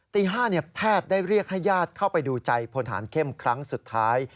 ตี๕แพทย์ได้เรียกให้ญาติเข้าไปดูใจพลฐานเข้มครั้งสุดท้าย